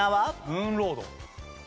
ムーンロード。